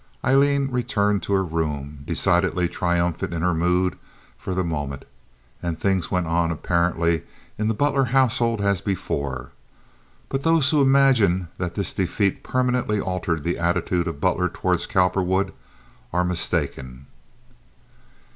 Aileen returned to her room, decidedly triumphant in her mood for the moment, and things went on apparently in the Butler household as before. But those who imagine that this defeat permanently altered the attitude of Butler toward Cowperwood are mistaken.